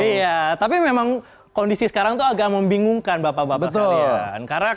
iya tapi memang kondisi sekarang itu agak membingungkan bapak bapak sekalian